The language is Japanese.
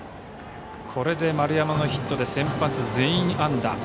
これで丸山のヒットで先発全員安打。